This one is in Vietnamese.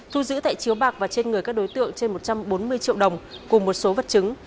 thu giữ tại chiếu bạc và trên người các đối tượng trên một trăm bốn mươi triệu đồng cùng một số vật chứng